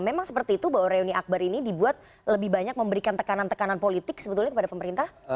memang seperti itu bahwa reuni akbar ini dibuat lebih banyak memberikan tekanan tekanan politik sebetulnya kepada pemerintah